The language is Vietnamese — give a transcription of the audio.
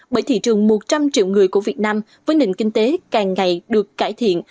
bởi thị trường một trăm linh triệu người của việt nam với nền kinh tế càng ngày được cải thiện